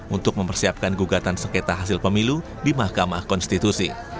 untuk mempersiapkan gugatan sengketa hasil pemilu di mahkamah konstitusi